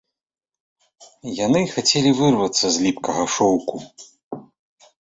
Яны хацелі вырвацца з ліпкага шоўку.